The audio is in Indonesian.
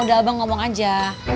udah abang ngomong aja